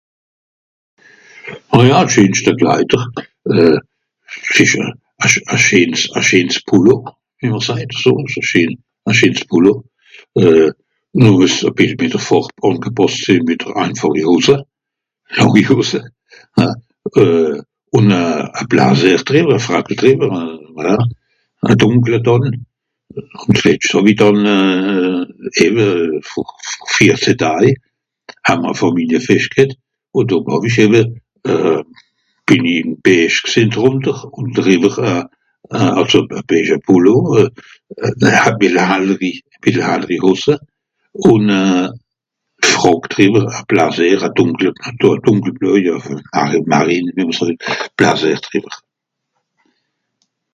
Oh ja scheenschte Kleider. euh... s ìsch e... e schee... e schee... e scheens Polo, wie mr sajt, so... so scheen... e scheens Polo. Euh... (...) e bìssel mìt de Fàrb àngepàsst sìnn mìt einfàchi Hose, làngi Hose, hein. Euh... ùn euh... e Blasier dodrìwer e Frackel drìwer, hein, voilà, e dùnkle (...). Zlescht hàw-i dànn éwe vor vierzeh Daj àm e Fàmiliefescht ghet. Ùn do hàw-i (...) euh... bìn i beige gsìnn drùnter ùn drìwer e... e... àlso e beiger Pullover euh... (...) Hose. Ùn euh... Fràck drìwer, e Blasìer a dùnkel... dùnkel blöi marine, wie mr sajt Basìer dodrìwer.